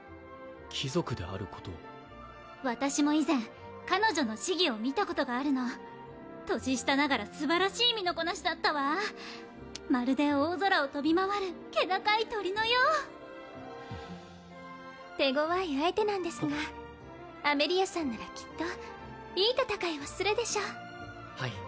貴族であることを私も以前彼女の試技を見たことがあるの年下ながらすばらしい身のこなしだったわまるで大空を飛び回る気高い鳥のよう手ごわい相手なんですがアメリアさんならきっといい戦いをするでしょうはい